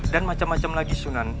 dan macam macam lagi sunan